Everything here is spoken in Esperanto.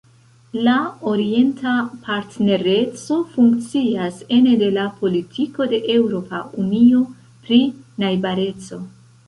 La Orienta Partnereco funkcias ene de la Politiko de Eŭropa Unio pri Najbareco.